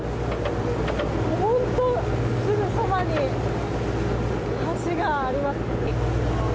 すぐそばに橋がありますね。